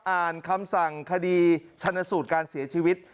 อ่านคำสั่งคดีชันสูตรการเสียชีวิต